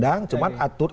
dan juga untuk